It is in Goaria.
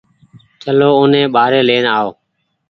چلو اوني ٻآري لين آئو